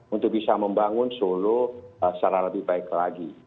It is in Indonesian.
untuk bisa membangun solo secara lebih baik lagi